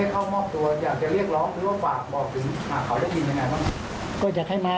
อยากจะเรียกร้องหรือว่ารบถึงหากเขาได้ยินยังไงหรือ